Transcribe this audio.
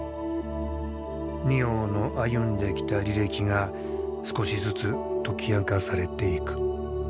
仁王の歩んできた履歴が少しずつ解き明かされていく。